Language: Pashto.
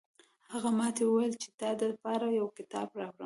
هغې ماته وویل چې د تا د پاره یو کتاب راوړم